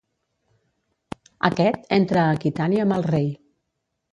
Aquest entra a Aquitània amb el rei.